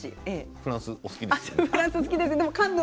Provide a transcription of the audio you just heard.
フランスお好きですよね。